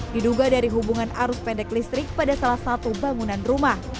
diduga dari hubungan arus pendek listrik pada salah satu bangunan rumah